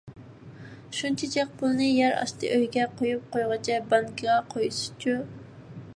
شۇنچە جىق پۇلنى يەر ئاستى ئۆيىگە قويۇپ قويغۇچە بانكىغا قويسىچۇ؟